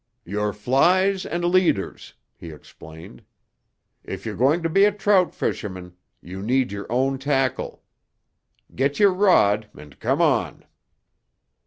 "Your flies and leaders," he explained. "If you're going to be a trout fisherman, you need your own tackle. Get your rod and come on."